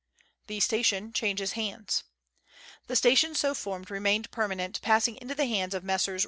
The Station changes hands. The station so formed remained permanent, passing into the hands of Messrs.